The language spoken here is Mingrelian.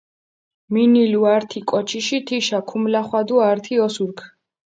მინილუ ართი კოჩიში თიშა, ქუმლახვადუ ართი ოსურქ.